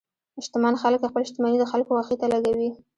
شتمن خلک خپل شتمني د خلکو خوښۍ ته لګوي.